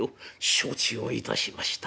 「承知をいたしました」。